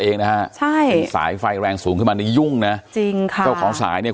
เองนะฮะใช่สายไฟแรงสูงขึ้นมานี่ยุ่งนะจริงค่ะเจ้าของสายเนี้ย